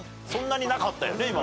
そんなになかったよね